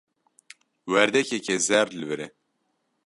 Werdekeke zer li vir e.